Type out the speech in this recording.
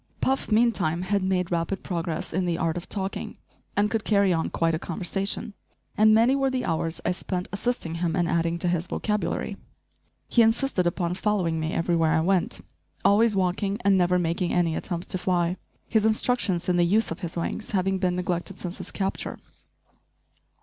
Puff, meantime, had made rapid progress in the art of talking and could carry on quite a conversation and many were the hours I spent assisting him in adding to his vocabulary. He insisted upon following me everywhere I went, always walking and never making any attempt to fly, his instructions in the use of his wings having been neglected since his capture.